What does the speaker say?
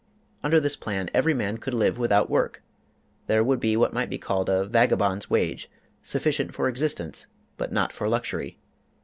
Under this plan, every man could live without work: there would be what might be called a ``vagabond's wage,'' sufficient for existence but not for luxury.